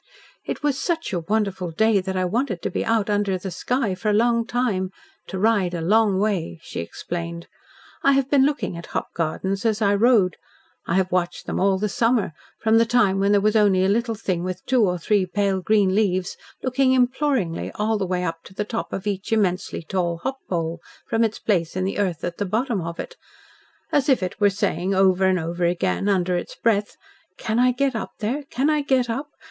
"It was such a wonderful day that I wanted to be out under the sky for a long time to ride a long way," she explained. "I have been looking at hop gardens as I rode. I have watched them all the summer from the time when there was only a little thing with two or three pale green leaves looking imploringly all the way up to the top of each immensely tall hop pole, from its place in the earth at the bottom of it as if it was saying over and over again, under its breath, 'Can I get up there? Can I get up?